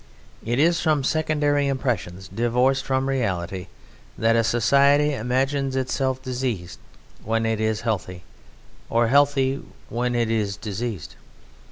It is from secondary impressions divorced from reality that a society imagines itself diseased when it is healthy, or healthy when it is diseased.